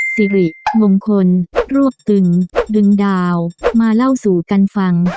สิริมงคลรวบตึงดึงดาวมาเล่าสู่กันฟัง